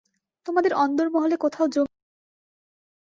তোমাদের অন্দরমহলে কোথাও জমি এক ছটাক নেই।